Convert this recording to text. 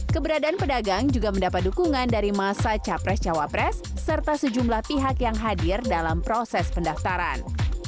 keberadaan pedagang juga mendapat dukungan dari masa capres cawapres serta sejumlah pihak yang hadir dalam proses pendaftaran